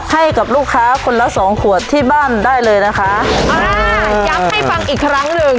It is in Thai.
ให้กับลูกค้าคนละสองขวดที่บ้านได้เลยนะคะอ่าย้ำให้ฟังอีกครั้งหนึ่ง